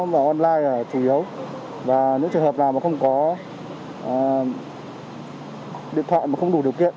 và online là chủ yếu và những trường hợp nào mà không có điện thoại mà không đủ điều kiện